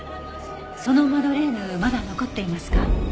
そのマドレーヌまだ残っていますか？